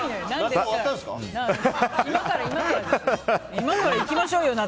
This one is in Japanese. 今からいきましょうよ、夏。